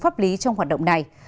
chúng pháp lý trong hoạt động này